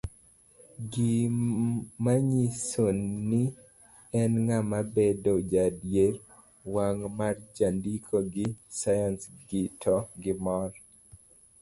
gi manyiso ni en ng'a, bedo jaadiera, wang' marjandiko gi sayans to gimor